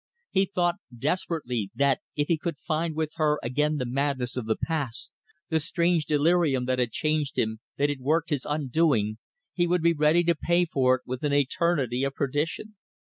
He thought, desperately, that if he could find with her again the madness of the past, the strange delirium that had changed him, that had worked his undoing, he would be ready to pay for it with an eternity of perdition.